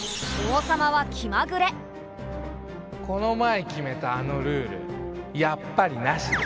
この前決めたあのルールやっぱりなしで。